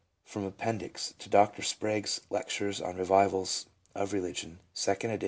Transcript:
— From Appendix to Dr. Sprague's " Lectures on Revivals of Re ligion." 2d ed.